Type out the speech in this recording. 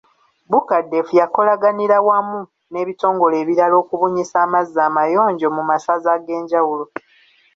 Bucadef yakolaganira wamu n'ebitongole ebirala okubunyisa amazzi amayonjo mu masaza ag’enjawulo.